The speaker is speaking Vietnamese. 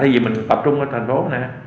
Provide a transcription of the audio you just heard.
thế gì mình tập trung ở thành phố này